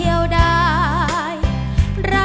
ก็ปลดบด